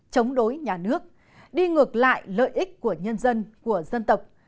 chống đối nhà nước đi ngược lại lợi ích của nhân dân của dân tộc